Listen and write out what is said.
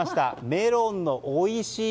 メロンのおいしい